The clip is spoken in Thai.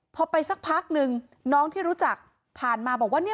พอไปสักพักนึงน้องที่รู้จักผ่านมาบอกว่า